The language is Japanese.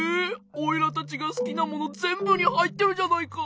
おいらたちがすきなものぜんぶにはいってるじゃないか！